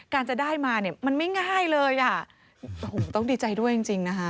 การจะได้มามันไม่ง่ายเลยต้องดีใจด้วยจริงนะฮะ